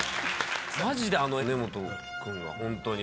マジであの根本君がホントに。